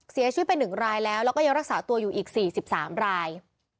เสียชีวิตไป๑รายแล้วแล้วก็ยังรักษาตัวอยู่อีก๔๓ราย